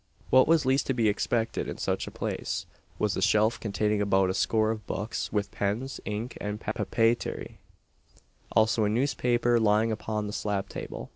What was least to be expected in such a place, was a shelf containing about a score of books, with pens, ink, and papeterie; also a newspaper lying upon the slab table.